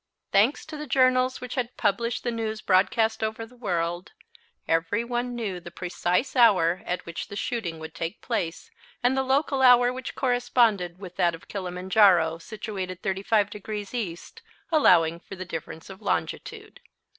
Thanks to the journals which had published the news broadcast over the world, every one knew the precise hour at which the shooting would take place and the local hour which corresponded with that of Kilimanjaro, situated 35 degrees east, allowing for the difference of longitude.